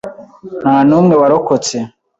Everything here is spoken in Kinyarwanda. Nta n'umwe warokotse.